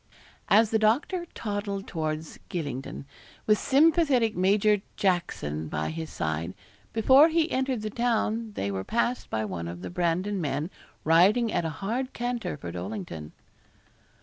As the doctor toddled towards Gylingden, with sympathetic Major Tackson by his side, before they entered the town they were passed by one of the Brandon men riding at a hard canter for Dollington.